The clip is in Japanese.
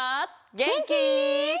げんき？